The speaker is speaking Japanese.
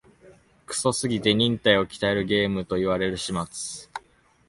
クソすぎて忍耐を鍛えるゲームと言われる始末